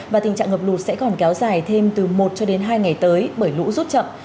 và tình trạng ngập lụt sẽ còn kéo dài thêm từ một cho đến hai ngày tới bởi lũ rút chậm